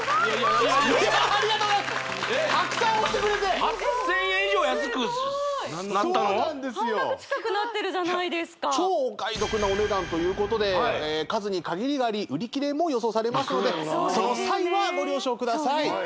そうなんですよ半額近くなってるじゃないですか超お買い得なお値段ということで数に限りがあり売り切れも予想されますのでその際はご了承ください